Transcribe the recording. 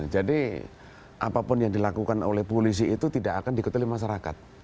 jadi apapun yang dilakukan oleh polisi itu tidak akan diketul masyarakat